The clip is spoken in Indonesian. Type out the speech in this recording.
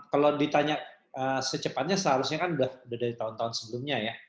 kalau ditanya secepatnya seharusnya kan udah dari tahun tahun sebelumnya ya